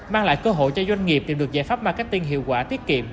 mang lại cơ hội cho doanh nghiệp tìm được giải pháp marketing hiệu quả tiết kiệm